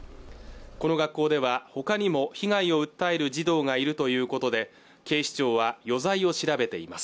この学校ではほかにも被害を訴える児童がいるということで警視庁は余罪を調べています